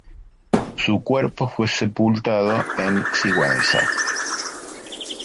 Su cuerpo fue sepultado en Sigüenza.